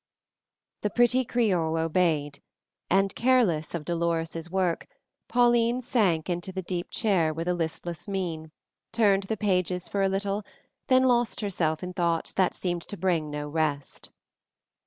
The pretty Creole obeyed; and careless of Dolores' work, Pauline sank into the deep chair with a listless mien, turned the pages for a little, then lost herself in thoughts that seemed to bring no rest.